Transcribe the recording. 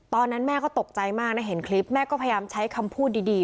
ตอนนั้นแม่ก็ตกใจมากนะเห็นคลิปแม่ก็พยายามใช้คำพูดดี